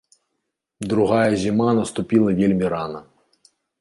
Другая зіма наступіла вельмі рана.